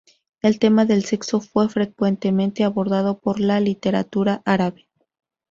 El tema del sexo fue frecuentemente abordado por la literatura árabe.